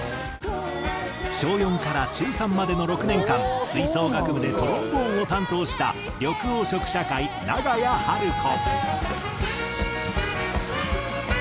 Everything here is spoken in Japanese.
小４から中３までの６年間吹奏楽部でトロンボーンを担当した緑黄色社会長屋晴子。